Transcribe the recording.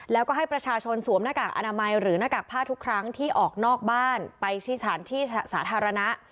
แล้วก็ให้ประชาชนสวมหน้ากากอนามัยหรือหน้ากากผ้าทุกครั้งที่ออกนอกบ้านไปชี้สถานที่สาธารณะ